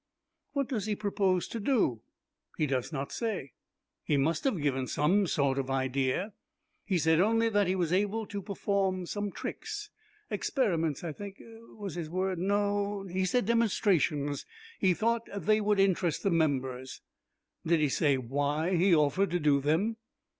"What does he propose to do?" "He does not say." "He must have given some sort of idea." "He said only that he was able to perform some tricks experiments, I think, was his word; or no he said demonstrations. He thought they would interest the members." "Did he say why he offered to do them?"